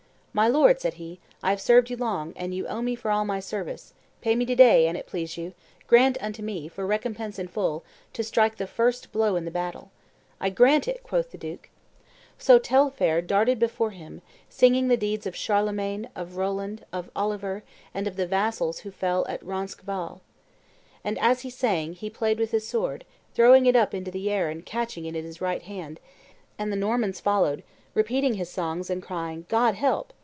'My lord,' said he, 'I have served you long, and you owe me for all my service: pay me to day, an it please you; grant unto me, for recompense in full, to strike the first blow in the battle.' 'I grant it,' quoth the duke. So Taillefer darted before him, singing the deeds of Charlemagne, of Roland, of Oliver, and of the vassals who fell at Roncesvalles." As he sang, he played with his sword, throwing it up into the air and catching it in his right hand; and the Normans followed, repeating his songs, and crying, "God help!